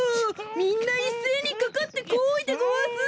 みんないっせいにかかってこいでごわす！